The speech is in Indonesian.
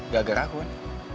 gak gara aku kan